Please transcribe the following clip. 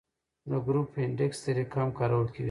د ګروپ انډیکس طریقه هم کارول کیږي